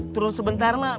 turun sebentar mak